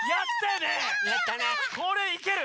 これいける！